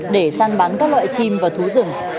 để săn bắn các loại chim và thú rừng